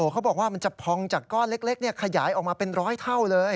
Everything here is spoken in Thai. เขาบอกว่ามันจะพองจากก้อนเล็กขยายออกมาเป็นร้อยเท่าเลย